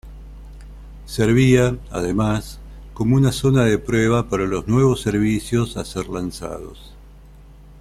Servía, además, como una zona de prueba para los nuevos servicios a ser lanzados.